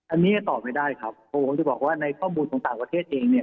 อันนี้จะตอบไม่ได้ครับเพราะผมจะบอกว่าในข้อมูลของต่างประเทศเองเนี่ย